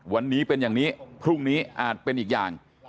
วันนี้เป็นอย่างนี้พรุ่งนี้อาจเป็นอีกอย่าง